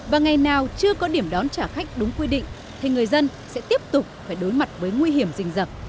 và ngày nào chưa có điểm đón trả khách đúng quy định thì người dân sẽ tiếp tục phải đối mặt với nguy hiểm rình rập